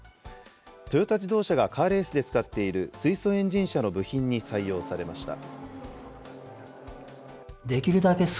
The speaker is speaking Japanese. トヨタ自動車がカーレースで使っている水素エンジン車の部品に採用されました。